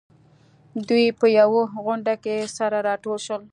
دوی په يوه غونډه کې سره راټول شول.